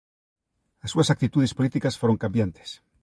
As súas actitudes políticas foron cambiantes.